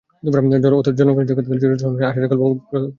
অথচ জনগণের চোখে তাঁদের চরিত্র হননে আষাঢ়ে গল্প প্রচার করা হয়েছে।